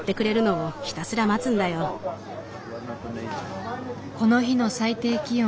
この日の最低気温は５度。